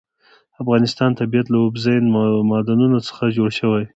د افغانستان طبیعت له اوبزین معدنونه څخه جوړ شوی دی.